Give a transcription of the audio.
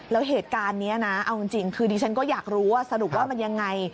แล้วเหตุการณ์นี้นะเอาจริงคือดิฉันก็อยากรู้ว่าสรุปว่ามันยังไง